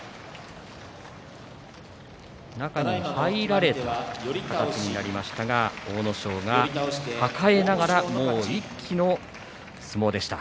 中に入られた形になりましたが阿武咲が抱えながら一気の相撲でした。